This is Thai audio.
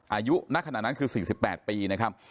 อายุณขนาดนั้นคือ๔๘ปีนะครับ